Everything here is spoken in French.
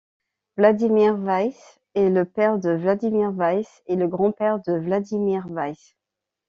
Vladimír Weiss est le père de Vladimír Weiss et le grand-père de Vladimír Weiss.